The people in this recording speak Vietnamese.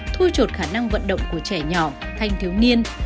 thu chột khả năng vận động của trẻ nhỏ thanh thiếu niên